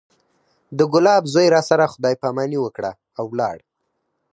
د ګلاب زوى راسره خداى پاماني وکړه او ولاړ.